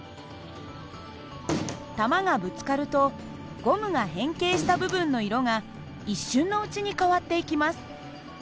球がぶつかるとゴムが変形した部分の色が一瞬のうちに変わっていきます。